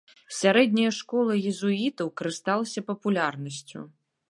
Сярэдняя школа езуітаў карысталася папулярнасцю.